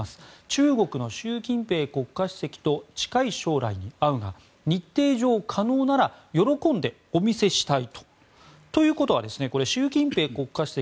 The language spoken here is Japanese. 中国の習近平国家主席と近い将来に会うが日程上、可能なら喜んでお見せしたいと。ということは、習近平国家主席